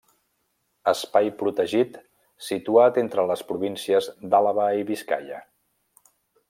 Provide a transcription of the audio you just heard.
Espai protegit situat entre les províncies d'Àlaba i Biscaia.